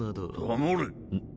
黙れ！